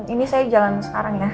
ini saya jalan sekarang ya